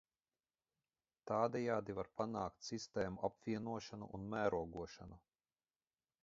Tādējādi var panākt sistēmu apvienošanu vai mērogošanu.